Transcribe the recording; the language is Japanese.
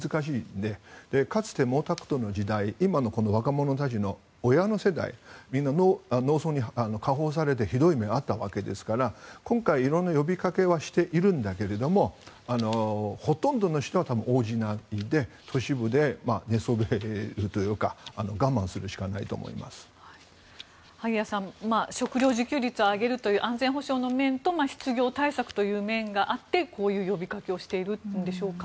かつて毛沢東の時代今の若者たちの親の世代、みんな農村に行かされてひどい目に遭ったわけですから今回いろんな呼びかけをしていますがほとんどの人は応じないで都市部で寝そべるというか萩谷さん食料自給率を上げるという安全保障の面と失業対策という面があってこういう呼びかけをしているんでしょうか。